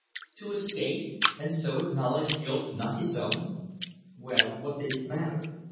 To escape and so acknowledge a guilt not his own! Well, what did it matter!